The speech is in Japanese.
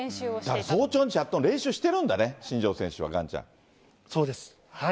だから早朝にやっぱり練習してるんだね、新庄選手は、ガンちそうです。